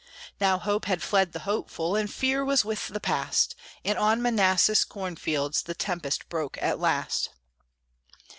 Now hope had fled the hopeful, And fear was with the past; And on Manassas' cornfields The tempest broke at last.